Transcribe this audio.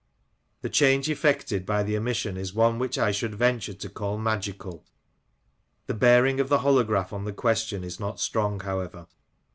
The change effected by the omission is one which I should venture to call magical. The bearing of the holograph on the question is not strong, however.